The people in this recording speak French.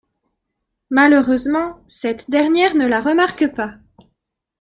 Malheureusement, cette dernière ne la remarque pas.